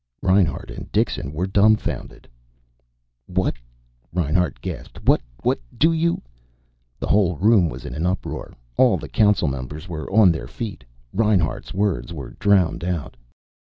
Reinhart and Dixon were dumbfounded. "What " Reinhart gasped. "What do you " The whole room was in an uproar. All the Council members were on their feet. Reinhart's words were drowned out.